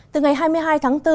từ ngày hai mươi hai tháng bốn